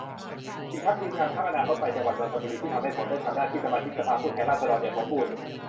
อีกทั้งทีมงานพรรคอนาคตใหม่จังหวัดนนทบุรี ที่ทำให้ผมได้ทำหน้าที่สมาชิกสภาผู้แทนราษฎรอย่างสมบูรณ์